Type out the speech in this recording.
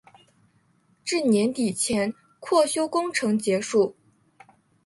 至年底前扩修工程结束。